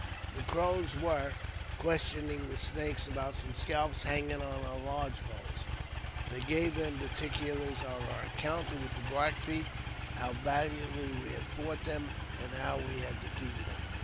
The Crows were questioning the Snakes about some seal] hanging on our lodge poles. They gave them the particulai of oui encounter with the Black Feet, how valiantly we ha^ fought them, and how we had defeated them.